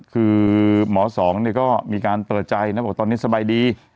คือหมอสองเนี่ยก็มีการเปิดใจนะบอกตอนนี้สบายดี